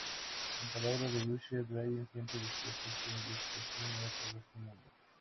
En palabras de Usher: "Brian siempre decía que su habitación era todo su mundo".